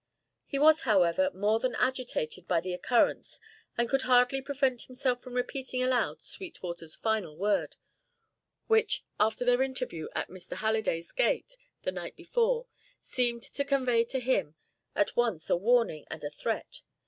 He was, however, more than agitated by the occurrence and could hardly prevent himself from repeating aloud Sweetwater's final word, which after their interview at Mr. Halliday's gate, the night before, seemed to convey to him at once a warning and a threat.